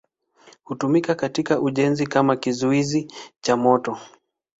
Hutumika katika ujenzi kama kizuizi cha moto.